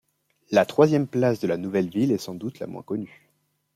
La troisième place de la nouvelle ville est sans doute la moins connue.